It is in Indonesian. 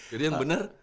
jadi yang benar